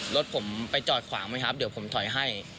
รถผมไปจอดขวางไหมครับเดี๋ยวผมถอยให้